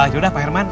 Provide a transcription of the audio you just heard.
yaudah pak herman